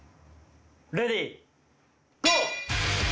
レディーゴー！